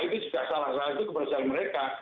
itu juga salah satu kebenaran mereka